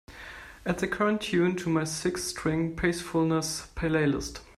add the current tune to my Six string peacefulness playlist